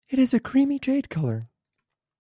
It is a creamy jade color.